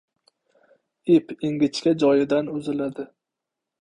• Ip ingichka joyidan uziladi.